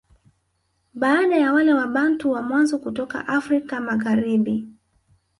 Baada ya wale Wabantu wa mwanzo kutoka Afrika Magharibi